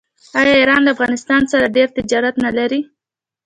آیا ایران له افغانستان سره ډیر تجارت نلري؟